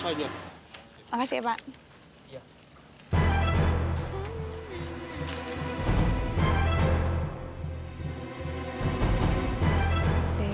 stratégi yang scientists adalah indispensable